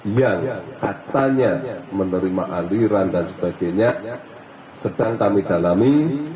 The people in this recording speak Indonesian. yang katanya menerima aliran dan sebagainya sedang kami dalami